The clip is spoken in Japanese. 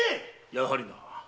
やはりな。